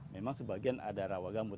memang sebagian ada rawa gambut